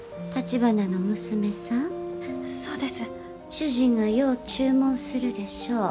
主人がよう注文するでしょう。